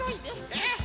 えっ！